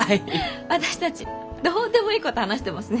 私たちどうでもいいこと話してますね。